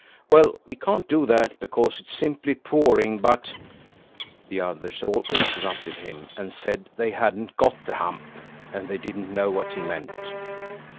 Well, we can't do that, because it's simply pouring, but–" The others all interrupted him, and said they hadn't got the hump and they didn't know what he meant.